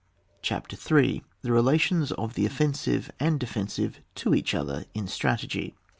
^_ THE RELATIONS OF THE OFFENSITE AND DEFENSIVE TO EACH OTHER IN STRATEGY.